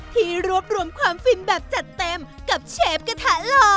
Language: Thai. ที่รวบรวมความฟินแบบจัดเต็มกับเชฟกระทะหล่อ